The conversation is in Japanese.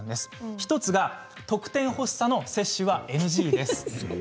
１つが特典ほしさの接種はＮＧです。